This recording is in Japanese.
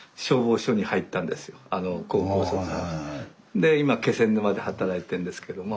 で今気仙沼で働いてるんですけども。